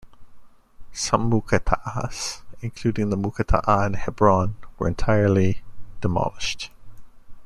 Some Mukataas, including the Mukataa in Hebron, were entirely demolished.